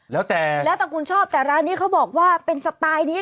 แล้วแต่แล้วแต่คุณชอบแต่ร้านนี้เขาบอกว่าเป็นสไตล์นี้